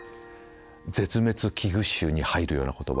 絶滅危惧種に入るような言葉。